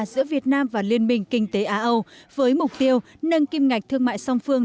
giữa việt nam và liên minh kinh tế á âu với mục tiêu nâng kim ngạch thương mại song phương